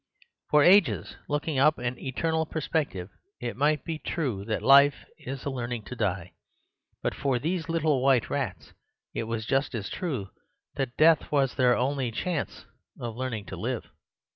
For ages looking up an eternal perspective it might be true that life is a learning to die. But for these little white rats it was just as true that death was their only chance of learning to live.